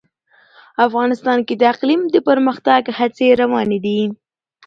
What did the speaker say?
افغانستان کې د اقلیم د پرمختګ هڅې روانې دي.